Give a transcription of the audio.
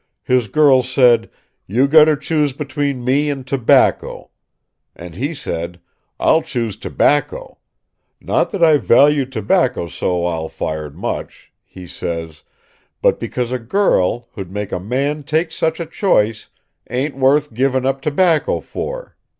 "His girl said: 'You gotta choose between me and tobacco.' And he said: 'I'll choose tobacco. Not that I value tobacco so all fired much,' he says, 'but because a girl, who'd make a man take such a choice, ain't worth giving up tobacco for.'